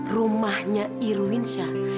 rumahnya irwin shah